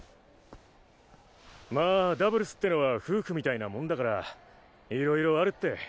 まあダブルスってのは夫婦みたいなもんだから色々あるって。